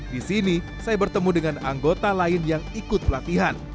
di sini saya bertemu dengan anggota lain yang ikut pelatihan